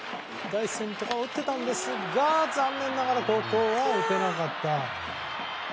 第１戦は打っていたんですが残念ながらここは打てなかった。